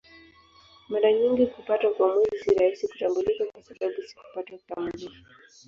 Mara nyingi kupatwa kwa Mwezi si rahisi kutambulika kwa sababu si kupatwa kikamilifu.